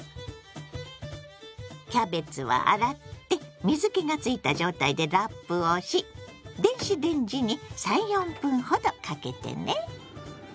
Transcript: キャベツは洗って水けがついた状態でラップをし電子レンジに３４分ほどかけてね。